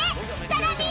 ［さらに］